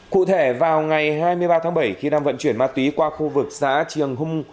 cụ thể vào ngày hai mươi ba tháng bảy khi đang vận chuyển ma túy qua khu vực xã triềng hung